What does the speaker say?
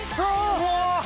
うわ！